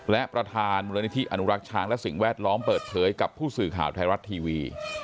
และประธานมูลนิธิอนุรักษ์ช้างและสิ่งแวดล้อมเปิดเผยกับผู้สื่อข่าวไทยรัฐทีวี